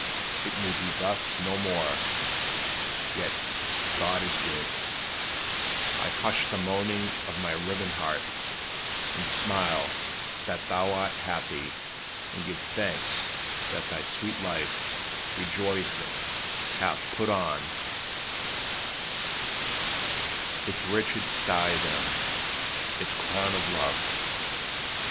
It may be thus no more; yet God is good I hush the moaning of my riven heart, And smile that thou art happy; and give thanks That thy sweet life, rejoicing, hath put on Its richest diadem, its crown of love.